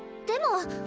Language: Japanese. でも！